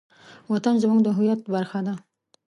وطن زموږ د هویت برخه ده.